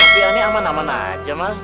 biaya ini aman aman aja mal